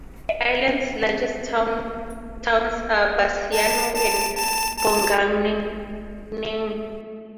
The island's largest towns are Basiano and Bonganang.